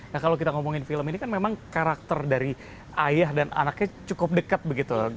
nah kalau kita ngomongin film ini kan memang karakter dari ayah dan anaknya cukup dekat begitu